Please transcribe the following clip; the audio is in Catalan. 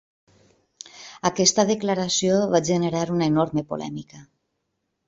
Aquesta declaració va generar una enorme polèmica.